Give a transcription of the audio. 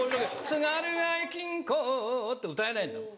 津軽は雪ん子って歌えないんだもん。